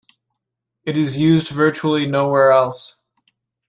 It is used virtually nowhere else.